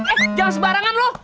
eh eh eh eh jangan sebarangan lu